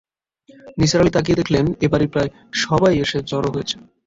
নিসার আলি তাকিয়ে দেখলেন, এ-বাড়ির প্রায় সবাই এসে জড়ো হয়েছে।